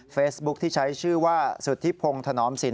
เฟซบุ๊คที่ใช้ชื่อว่าสุธิพงศ์ถนอมสิน